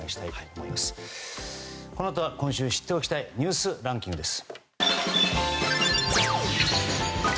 このあとは今週知っておきたいニュースランキングです。